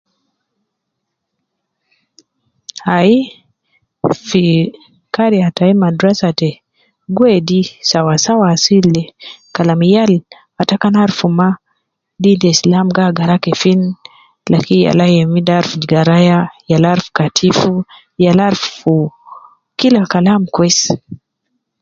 Ai, fi kariya tai madrasa te, gi wedi sawa sawa asil de, kalam yal ata kan aruf ma din te islam gi agara kefin, lakin yala youminde aruf garaya, yala aruf katifu, yala arufu kila kalam kwesi.